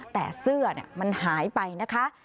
แต่เสื้อมันหายไปนะคะ